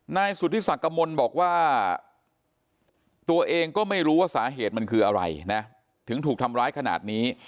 นายสุธิสักกมลบอกว่าตัวเองก็ไม่รู้ว่าสาเหตุมันคืออะไรนะถึงถูกทำร้ายขนาดนี้